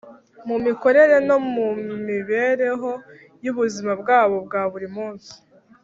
mu mikorere no mu mibereho y’ubuzima bwabo bwa buri munsi.